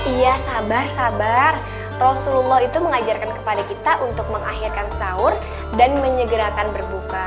iya sabar sabar rasulullah itu mengajarkan kepada kita untuk mengakhirkan sahur dan menyegerakan berbuka